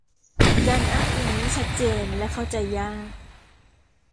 การอ้างอิงไม่ชัดเจนและเข้าใจยาก